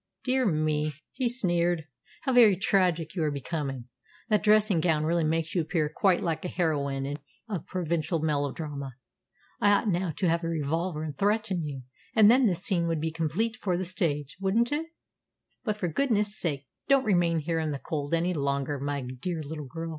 "Dear me," he sneered, "how very tragic you are becoming! That dressing gown really makes you appear quite like a heroine of provincial melodrama. I ought now to have a revolver and threaten you, and then this scene would be complete for the stage wouldn't it? But for goodness' sake don't remain here in the cold any longer, my dear little girl.